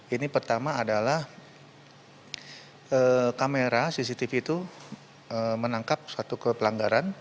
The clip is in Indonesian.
ini pertama adalah kamera cctv itu menangkap suatu kepelanggaran